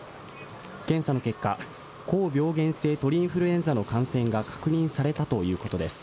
検査の結果、高病原性鳥インフルエンザの感染が確認されたということです。